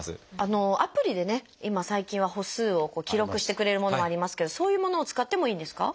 アプリでね今最近は歩数を記録してくれるものもありますけどそういうものを使ってもいいんですか？